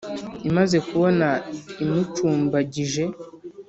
imaze kubona imucumbagije,